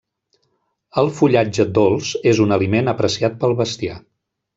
El fullatge dolç és un aliment apreciat pel bestiar.